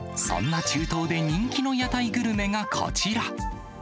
そんな中東で人気の屋台グルメがこちら。